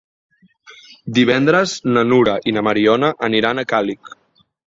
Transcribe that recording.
Divendres na Nura i na Mariona aniran a Càlig.